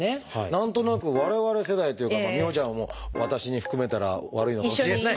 何となく我々世代というか美帆ちゃんを「私」に含めたら悪いのかもしれないけど。